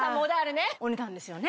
お値段ですよね？